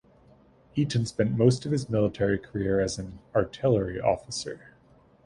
Eaton spent most of his military career as an artillery officer.